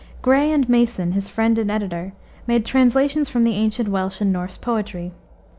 Gray and Mason, his friend and editor, made translations from the ancient Welsh and Norse poetry.